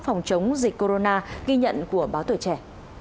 phòng chống dịch corona ghi nhận của báo tuổi trẻ